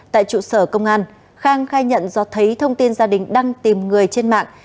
tại trụ sở công an khang khai nhận do thấy thông tin gia đình đang tìm người trên mạng